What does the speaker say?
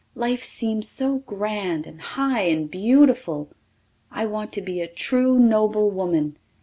Life seems so grand and high and beautiful. I want to be a true noble woman.